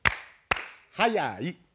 はやい。